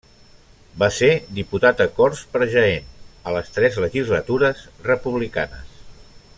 Va ser diputat a Corts per Jaén a les tres legislatures republicanes.